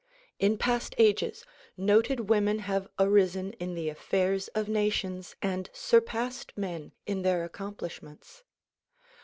In past ages noted women have arisen in the afiPairs of nations and surpassed men in their accomplishments.